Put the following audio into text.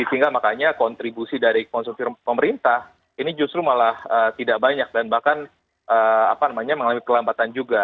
sehingga makanya kontribusi dari konsumsi pemerintah ini justru malah tidak banyak dan bahkan mengalami kelambatan juga